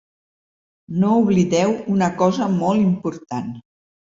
No oblideu una cosa molt important.